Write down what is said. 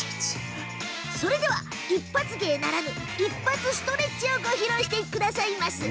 一発芸ならぬ、一発ストレッチをご披露してくださいましたよ。